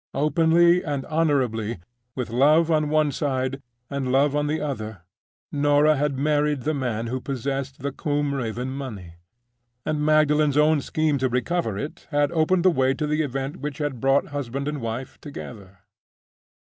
Openly and honorably, with love on one side and love on the other, Norah had married the man who possessed the Combe Raven money—and Magdalen's own scheme to recover it had opened the way to the event which had brought husband and wife together.